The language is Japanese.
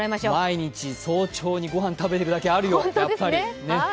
毎日早朝にご飯食べてるだけあるよ、やっぱり。